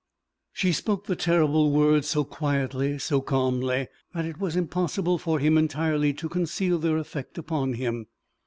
She spoke the terrible words so quietly, so calmly, that it was impossible for him entirely to conceal their effect upon him.